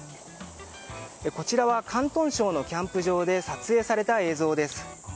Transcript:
こちらは、広東省のキャンプ場で撮影された映像です。